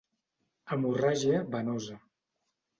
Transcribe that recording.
Hemorràgia Venosa: